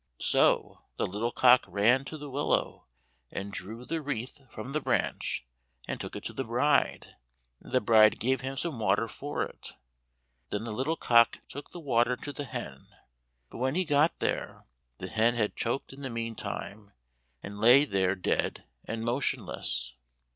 So the little cock ran to the willow, and drew the wreath from the branch and took it to the bride, and the bride gave him some water for it. Then the little cock took the water to the hen, but when he got there the hen had choked in the meantime, and lay there dead and motionless.